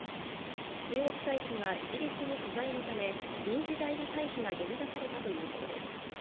中国大使がイギリスに不在のため臨時代理大使が呼び出されたということです。